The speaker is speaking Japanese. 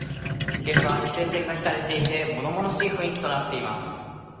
現場は規制線が引かれていて、ものものしい雰囲気となっています。